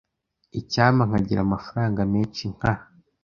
Icyampa nkagira amafaranga menshi nka .